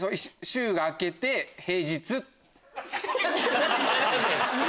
週が明けて平日。